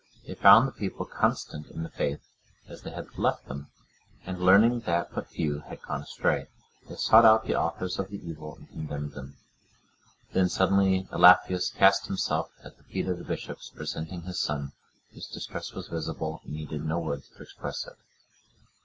They found the people constant in the faith as they had left them; and learning that but few had gone astray, they sought out the authors of the evil and condemned them. Then suddenly Elafius cast himself at the feet of the bishops, presenting his son, whose distress was visible and needed no words to express it.